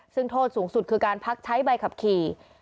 ซึ่งโทษสูงสุดคือการพักใช้ใบขับขี่